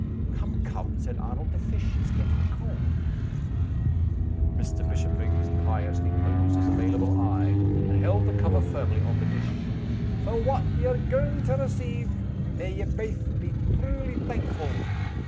"Come! come!" said Arnold. "The fish is getting cold." Mr. Bishopriggs piously closed his available eye, and held the cover firmly on the dish. "For what ye're gaun' to receive, may ye baith be truly thankful!"